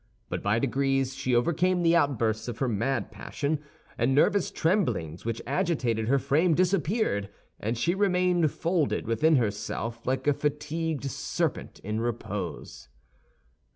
But by degrees she overcame the outbursts of her mad passion; and nervous tremblings which agitated her frame disappeared, and she remained folded within herself like a fatigued serpent in repose.